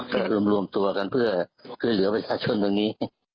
ก็ร่วมตัวกันเพื่อใช้ลืมทางชนตรงนี้